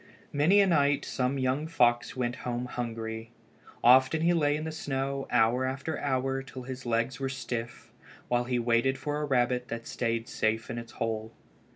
Many a night some young fox went home hungry. Often he lay in the snow hour after hour till his legs were stiff, while he waited for a rabbit that stayed safe in its hole.